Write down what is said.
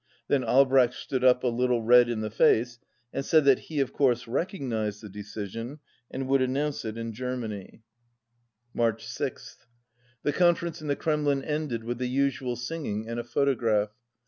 Then Albrecht stood up, a little red in the face, and said that he, of course, recognized the decision and would announce it in Germany, • 319 March 6th. The conference in the Kremlin ended with the usual singing and a photograph.